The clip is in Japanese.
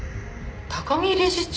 高木理事長？